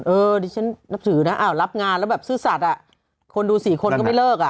ดิฉันนับถือนะอ้าวรับงานแล้วแบบซื่อสัตว์อ่ะคนดู๔คนก็ไม่เลิกอ่ะ